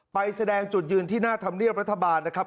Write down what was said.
ไปแสดงจุดยืนที่หน้าธรรมเนียบรัฐบาลนะครับ